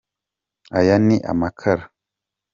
aya ni amakara